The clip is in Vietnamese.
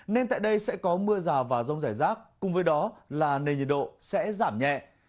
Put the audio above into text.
nên tại đây sẽ có mưa rào và rông rải rác cùng với đó là nền nhiệt độ sẽ giảm nhẹ